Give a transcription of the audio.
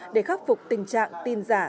để khắc phục tình trạng tin giả